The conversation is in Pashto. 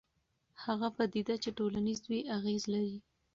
هغه پدیده چې ټولنیز وي اغېز لري.